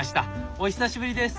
お久しぶりです。